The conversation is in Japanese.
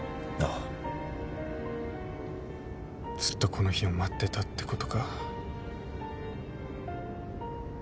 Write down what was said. ずっとこの日を待ってたってことか。